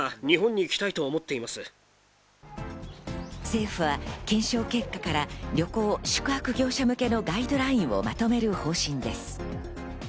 政府は検証結果から旅行、宿泊業者向けのガイドラインをまとめる方針です。